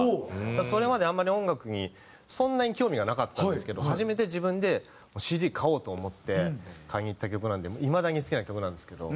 それまであんまり音楽にそんなに興味がなかったんですけど初めて自分でＣＤ買おうと思って買いに行った曲なんでいまだに好きな曲なんですけど。